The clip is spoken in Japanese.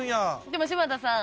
でも柴田さん。